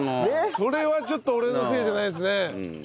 それはちょっと俺のせいじゃないですね。